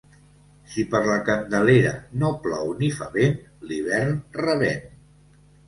Si per la Candelera no plou ni fa vent, l'hivern revén.